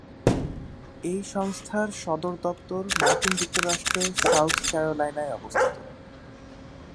এই সংস্থার সদর দপ্তর মার্কিন যুক্তরাষ্ট্রের সাউথ ক্যারোলাইনায় অবস্থিত।